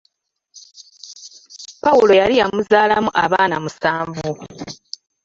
Pawulo yali yamuzaalamu abaana musanvu.